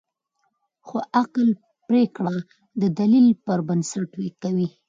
خو عقل پرېکړه د دلیل پر بنسټ کوي.